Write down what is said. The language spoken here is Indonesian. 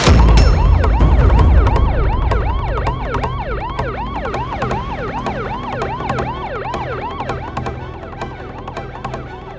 tidak ada yang bisa dipercayai